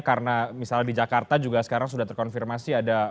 karena misalnya di jakarta juga sekarang sudah terkonfirmasi